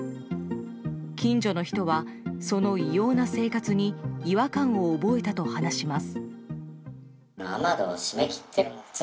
近所の人は、その異様な生活に違和感を覚えたと話します。